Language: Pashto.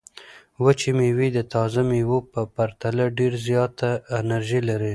وچې مېوې د تازه مېوو په پرتله ډېره زیاته انرژي لري.